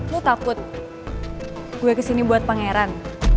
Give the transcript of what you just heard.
lu takut gue kesini buat pangeran